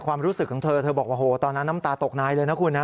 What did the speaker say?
ความรู้สึกของเธอเธอบอกว่าโหตอนนั้นน้ำตาตกนายเลยนะคุณนะ